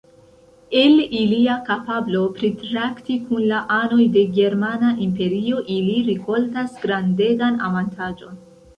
El ilia kapablo pritrakti kun la anoj de germana imperio, ili rikoltas grandegan avantaĝon.